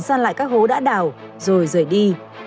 săn lại các hố đã đào rồi rời đi